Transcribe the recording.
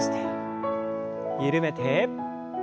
緩めて。